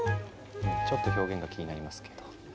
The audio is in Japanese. ちょっと表現が気になりますけど。